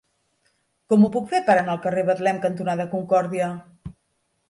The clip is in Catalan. Com ho puc fer per anar al carrer Betlem cantonada Concòrdia?